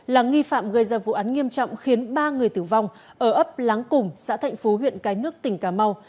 là nghi phạm gây ra vụ án nghiêm trọng khiến ba người tử vong ở ấp láng cùng xã thạnh phú huyện cái nước tỉnh cà mau